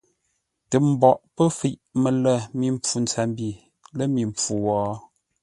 Tə mboʼ pə́ fəiʼ mələ mi mpfu ntsəmbi lə̂ mi mpfu wo?